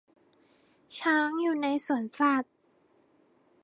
ช้างอยู่ในสวนสัตว์